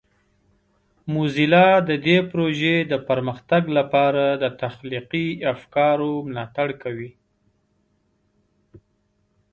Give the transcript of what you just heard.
موزیلا د دې پروژې د پرمختګ لپاره د تخلیقي افکارو ملاتړ کوي.